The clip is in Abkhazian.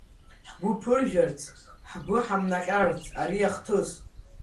Ҳгәы ԥыржәарц, ҳгәы ҳамнаҟьарц ари ахҭыс!